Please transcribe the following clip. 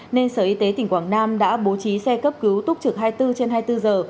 nên sở y tế tỉnh quảng nam đã bố trí xe cấp cứu túc trực hai mươi bốn trên hai mươi bốn giờ